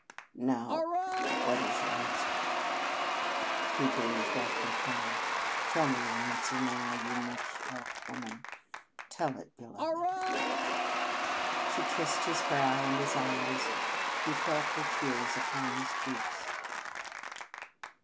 "Now, what is your answer?" he breathed after a time. "Tell me your answer now, you much loved woman tell it, beloved." She kissed his brow and his eyes; he felt her tears upon his cheeks.